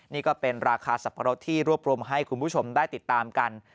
นี่ก็เป็นราคาสับปะรดที่รวบรวมให้คุณผู้ชมได้ติดตามกัน